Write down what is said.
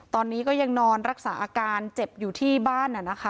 ตอนนี้ก็ยังนอนรักษาอาการเจ็บอยู่ที่บ้าน